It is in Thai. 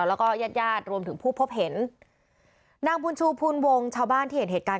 แล้วก็ญาติญาติรวมถึงผู้พบเห็นนางบุญชูพูนวงชาวบ้านที่เห็นเหตุการณ์